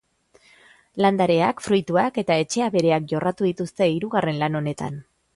Landareak, fruituak eta etxe-abereak jorratu dituzte hirugarren lan honetan.